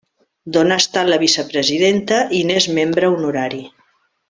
D'on ha estat la vicepresidenta i n'és membre honorari.